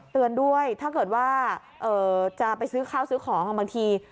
เตือนด้วยถ้าเกิดว่าจะไปซื้อข้าวซื้อของบางที